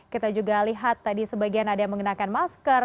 kita juga lihat tadi sebagian ada yang mengenakan masker